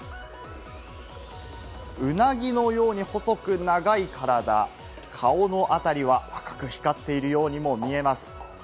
ウナギのように細く長い体、顔の辺りは赤く光っているようにも見えます。